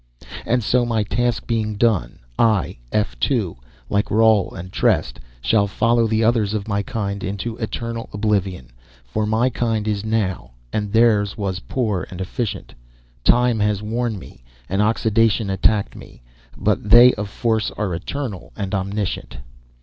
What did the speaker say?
And so my task being done, I, F 2, like Roal and Trest, shall follow the others of my kind into eternal oblivion, for my kind is now, and theirs was, poor and inefficient. Time has worn me, and oxidation attacked me, but they of Force are eternal, and omniscient.